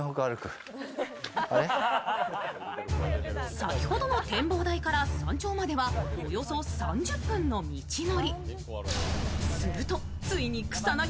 先ほどの展望台から山頂まではおよそ３０分の通紀。